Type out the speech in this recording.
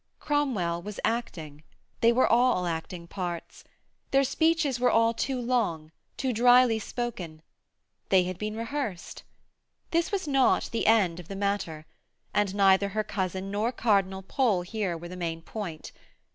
Cromwell was acting: they were all acting parts. Their speeches were all too long, too dryly spoken: they had been rehearsed! This was not the end of the matter and neither her cousin nor Cardinal Pole was here the main point.